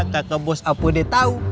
kakak bos apa dia tau